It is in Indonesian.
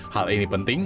hal ini penting